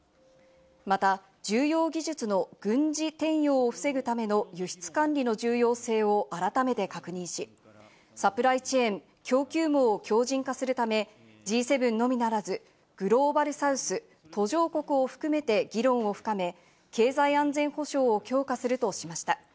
また重要技術の軍事転用を防ぐための輸出管理の重要性を改めて確認し、サプライチェーン＝供給網を強靭化するため、Ｇ７のみならず、グローバルサウス＝途上国を含めて議論を深め、経済安全保障を強化するとしました。